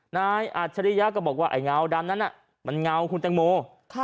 นายอาจริยะก็บอกว่าไอ้เงาดำนั้นน่ะมันเงาคุณแต่งโมค่ะ